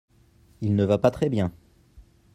Il ne va pas très bien.